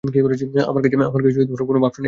আমার কাছে কোনো বাক্স নেই, পাপ্পু।